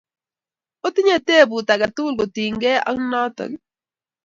Otinye tebut ake tukul kotinkey ak notokii?